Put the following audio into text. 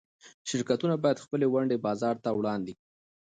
شرکتونه باید خپلې ونډې بازار ته وړاندې کړي.